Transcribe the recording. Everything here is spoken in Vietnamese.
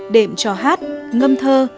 đệm cho hát ngâm thơ